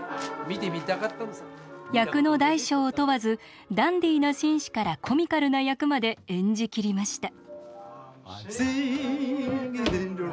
役の大小を問わずダンディーな紳士からコミカルな役まで演じ切りました。